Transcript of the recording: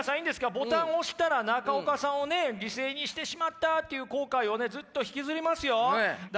ボタンを押したら中岡さんを犠牲にしてしまったっていう後悔をずっと引きずりますよ？